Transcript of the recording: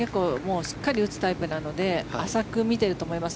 しっかり打つタイプなので浅く見てると思います。